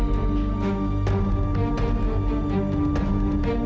tapi tadi kan